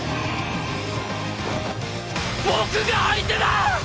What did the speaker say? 僕が相手だ！